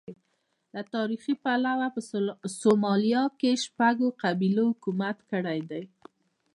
له تاریخي پلوه په سومالیا کې شپږو قبیلو حکومت کړی دی.